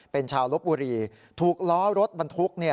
เป็นชาวลบบุรีถูกล้อรถบรรทุก